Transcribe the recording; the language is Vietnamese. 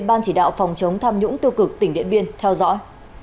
ban chỉ đạo phòng chống tham nhũng tư cực tỉnh điện biên theo dõi